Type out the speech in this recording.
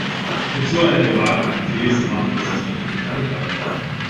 Mit so einer gewagten These macht er sich natürlich angreifbar.